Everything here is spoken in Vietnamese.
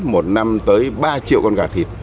một năm tới ba triệu con gà thịt